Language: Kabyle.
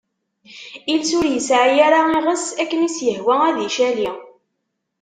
Iles ur yesɛi ara iɣes, akken i s-yehwa ad icali.